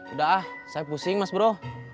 udah ah saya pusing mas bro